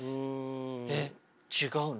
えっ違うの？